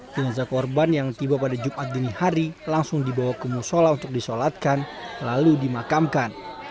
jenazah korban yang tiba pada jumat dini hari langsung dibawa ke musola untuk disolatkan lalu dimakamkan